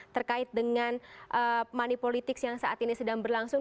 terkait dengan money politics yang saat ini sedang berlangsung